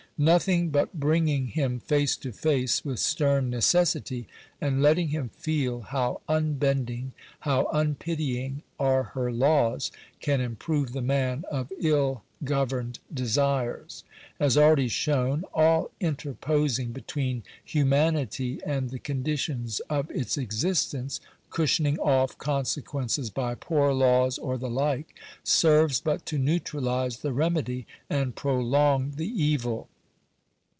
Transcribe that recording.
Nothing but bringing him face to face with stern necessity, and letting him feel how unbending, how unpitying, are her laws, can improve the man of ill governed desires. As already shown (p. 324), all interposing between humanity and the conditions of its existence — cushioning off consequences by poor laws or the like — serves but to neutralize the remedy and prolong the A A Digitized by VjOOQIC 354 NATIONAL EDUCATION. evil.